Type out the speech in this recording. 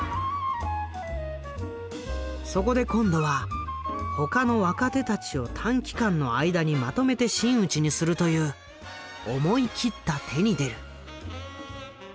そこで今度は他の若手たちを短期間の間にまとめて真打ちにするという思い切った手に出る。